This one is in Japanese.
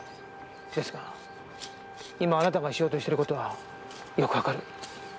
ですが今あなたがしようとしてる事はよくわかる。